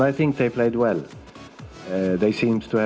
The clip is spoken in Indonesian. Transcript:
kami juga sudah melihatnya sebelumnya